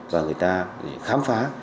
và người ta khám phá